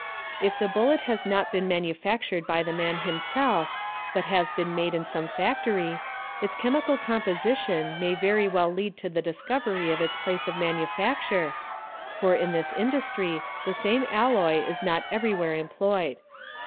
If the bullet has not beer manufactured by the man himself but has been made in some factory, its" chemical composition may very well lead to the discovery of its place 0 manufacture, for in this industry the same alloy is not every wher employed.